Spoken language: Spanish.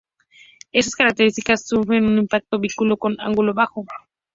Estas características sugieren un impacto oblicuo con un ángulo bajo.